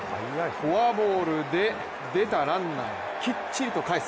フォアボールで出たランナーをきっちりと帰す。